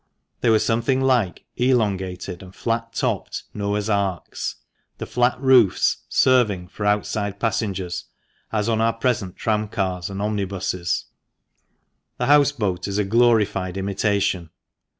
They were something like elongated and flat topped Noah's arks ; the flat roofs serving for outside passengers as on our present tram cars and omnibuses. The house boat is a glorified imitation.